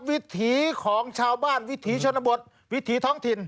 วิถีของชาวบ้านวิถีชนบทวิถีท้องถิ่น